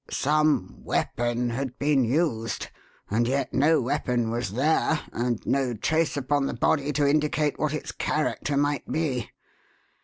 Some weapon had been used, and yet no weapon was there and no trace upon the body to indicate what its character might be.